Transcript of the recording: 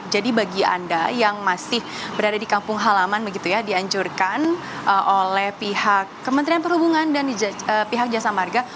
jadi bagi anda yang masih berada di kampung halaman dianjurkan oleh pihak kementerian perhubungan dan pihak jasa marga